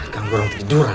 ganggu orang tiduran